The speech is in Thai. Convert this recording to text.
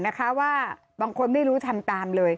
ไม่และอยู่ยักษ์